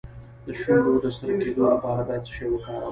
د شونډو د سره کیدو لپاره باید څه شی وکاروم؟